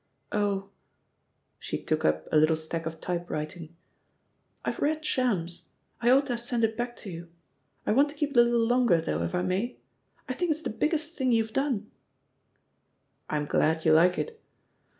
... Oh !" She took up a little stack of typewriting. "IVe read Shams. I ought to have sent it back to you. I want to keep it a little longer, though, if I may? I think it's the biggest thing you've done." "I'm glad you like it.